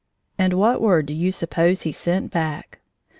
And what word do you suppose he sent back?